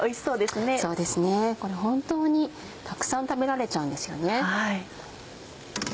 そうですねこれ本当にたくさん食べられちゃうんです。